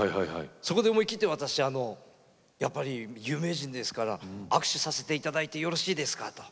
そこで思い切って私あのやっぱり有名人ですから「握手させて頂いてよろしいですか？」と。